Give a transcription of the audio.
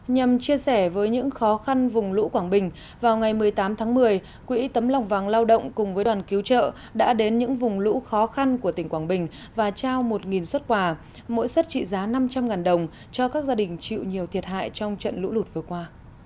nhằm chia sẻ với những khó khăn vùng lũ quảng bình vào ngày một mươi tám tháng một mươi quỹ tấm lòng vàng lao động cùng với đoàn cứu trợ đã đến những vùng lũ khó khăn của tỉnh quảng bình và trao một xuất quà mỗi xuất trị giá năm trăm linh đồng cho các gia đình chịu nhiều thiệt hại trong trận lũ lụt vừa qua